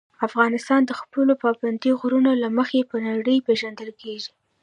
افغانستان د خپلو پابندي غرونو له مخې په نړۍ پېژندل کېږي.